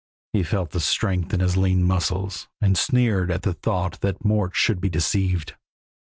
He felt the strength in his lean muscles, and sneered at the thought that Mort should be deceived.